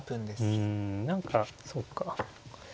うん何かそうか。